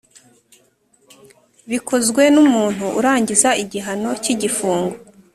bikozwe n umuntu urangiza igihano cy igifungo